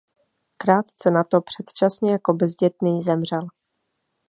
Krátce nato předčasně jako bezdětný zemřel.